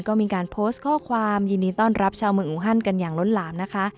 ก็มีการโพสต์ข้อความยินดีต้อนรับชาวเมืองอูฮันกันอย่างล้นหลามนะคะ